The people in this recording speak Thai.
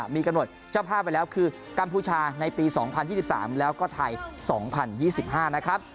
มีกำหนดเจ้าภาพไปแล้วคือกัมพูชาในปี๒๐๒๓แล้วก็ไทย๒๐๒๕นะครับ